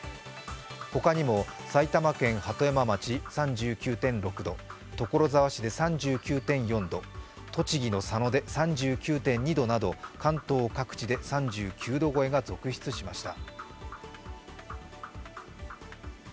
他にも、埼玉県鳩山町３９．６度所沢市で３９．４度、栃木の佐野で３９．２度など関東各地で３９度超えが続出しました。